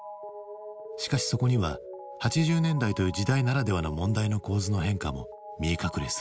しかしそこには８０年代という時代ならではの問題の構図の変化も見え隠れする。